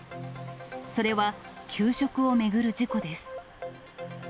それは給食を巡る事故です。